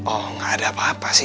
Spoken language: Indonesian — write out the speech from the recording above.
oh nggak ada apa apa sih